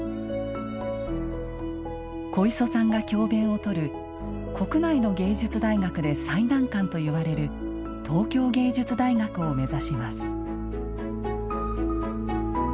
小磯さんが教鞭をとる国内の芸術大学で最難関といわれる東京藝術大学を目指します。